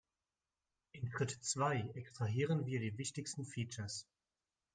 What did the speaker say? In Schritt zwei extrahieren wir die wichtigsten Features.